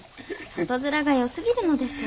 外面がよすぎるのです。